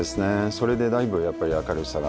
それでだいぶやっぱり明るさが。